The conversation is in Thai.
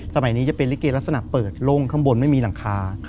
สมัยนี้จะเป็นลิเกลักษณะเปิดโล่งข้างบนไม่มีหลังคา